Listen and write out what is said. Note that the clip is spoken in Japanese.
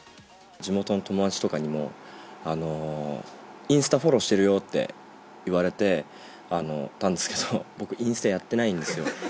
地元の友達とかにも、インスタフォローしてるよって言われてたんですけど、僕、インスタやってないんですよ。